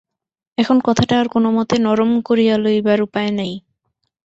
এখন কথাটা আর কোনোমতে নরম করিয়া লইবার উপায় নাই।